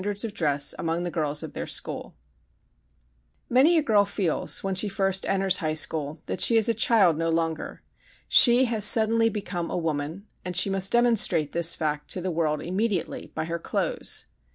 APPROPRIATE CLOTHES FOR THE HIGH SCHOOL GIRL Many a girl feels, when she first enters high school, that she is a child no longer. She has suddenly become a woman, and she must demonstrate this fact to the world immediately by her clothes.